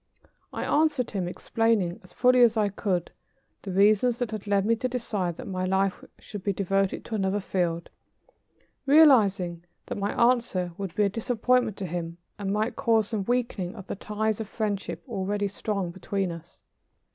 I answered him, explaining as fully as I could, the reasons that had led me to decide that my life should be devoted to another field, realizing that my answer would be a disappointment to him and might cause some weakening of the ties of friendship already strong between us.